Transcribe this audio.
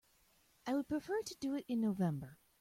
I would prefer to do it in November.